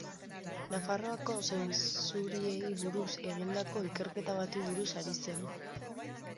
Nafarroako zainzuriei buruz egindako ikerketa bati buruz ari zen.